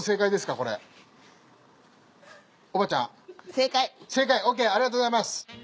正解オーケーありがとうございます。